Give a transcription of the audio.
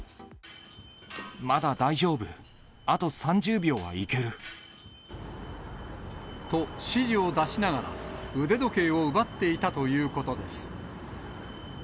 まだ大丈夫。と、指示を出しながら、腕時計を奪っていたということです。